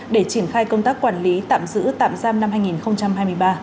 để triển khai công tác quản lý tạm giữ tạm giam năm hai nghìn hai mươi ba